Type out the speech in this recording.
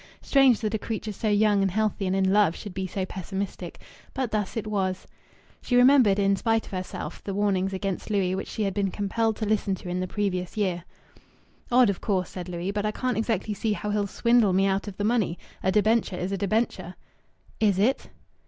Strange that a creature so young and healthy and in love should be so pessimistic, but thus it was! She remembered in in spite of herself the warnings against Louis which she had been compelled to listen to in the previous year. "Odd, of course!" said Louis. "But I can't exactly see how he'll swindle me out of the money! A debenture is a debenture." "Is it?"